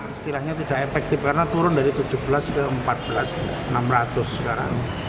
istilahnya tidak efektif karena turun dari tujuh belas ke empat belas enam ratus sekarang